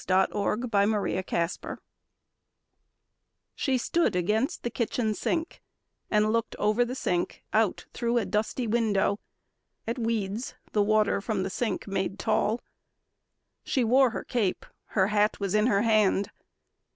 IN THE HOME STRETCH She stood against the kitchen sink, and looked Over the sink out through a dusty window At weeds the water from the sink made tall. She wore her cape; her hat was in her hand.